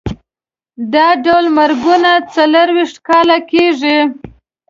دا ډول مرګونه څلوېښت کاله کېږي.